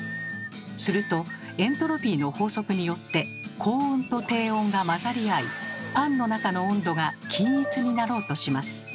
するとエントロピーの法則によって高温と低温が混ざり合いパンの中の温度が均一になろうとします。